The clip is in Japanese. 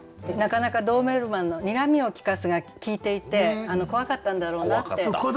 なかなかドーベルマンの「睨みをきかす」が効いていて怖かったんだろうなって思います。